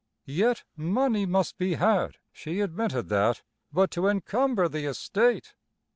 Yet money must be had, she admitted that. But to encumber the estate!